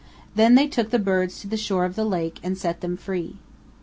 Then they took the birds to the shore of the lake and set them free.